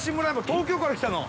東京から来たの？